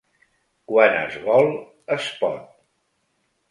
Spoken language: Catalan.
Quan es vol, es pot.